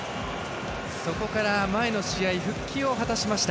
そこから前の試合復帰を果たしました。